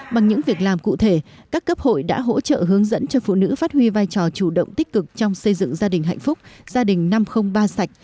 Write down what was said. bằng những việc làm cụ thể các cấp hội đã hỗ trợ hướng dẫn cho phụ nữ phát huy vai trò chủ động tích cực trong xây dựng gia đình hạnh phúc gia đình năm trăm linh ba sạch